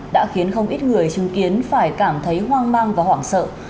đã khiến không ít người chứng kiến phải cảm thấy hoang mang và hoảng sợ